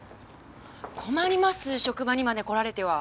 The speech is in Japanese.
困ります職場にまで来られては。